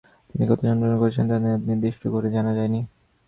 তিনি কোথায় জন্মগ্রহণ করেছেন তা ও নির্দিষ্ট করে জানা যায়নি।